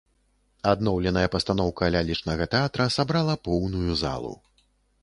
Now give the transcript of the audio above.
Адноўленая пастаноўка лялечнага тэатра сабрала поўную залу.